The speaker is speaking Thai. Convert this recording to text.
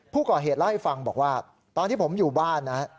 ผู้ก่อเหตุเล่าให้ฟังบอกว่าตอนที่ผมอยู่บ้านนะ